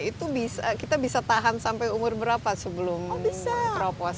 itu kita bisa tahan sampai umur berapa sebelum teropos